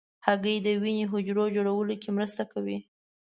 هګۍ د وینې حجرو جوړولو کې مرسته کوي.